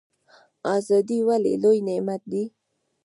ازادي ولې لوی نعمت دی؟